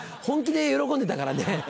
本気で喜んでたからね。